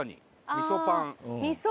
みそパン。